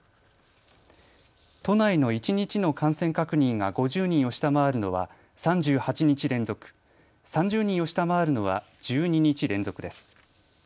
都内の一日の感染確認が５０人を下回るのは３８日連続、３０人を下回るのは１２日連続です。